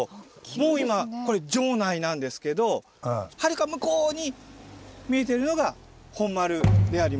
もう今これ城内なんですけどはるか向こうに見えているのが本丸であります。